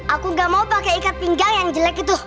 aku gak mau pakai ikat pinggang yang jelek itu